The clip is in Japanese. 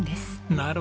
なるほど。